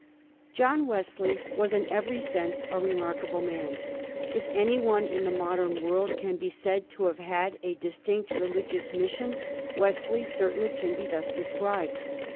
John Wesley was in every sense a remarkable man. If any one in the modern world can be said to have had a distinct religious mission, Wesley certainly can be thus described.